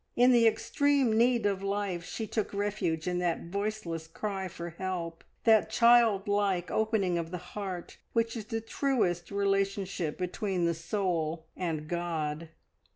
In the extreme need of life she took refuge in that voiceless cry for help, that child like opening of the heart which is the truest relationship between the soul and God.